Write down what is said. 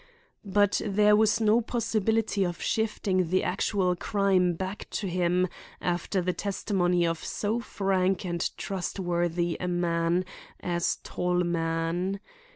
But there was no possibility of shifting the actual crime back to him after the testimony of so frank and trustworthy a man as Tallman.